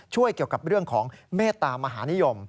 เกี่ยวกับเรื่องของเมตตามหานิยม